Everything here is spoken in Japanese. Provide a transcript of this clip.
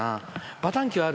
バタンキューある？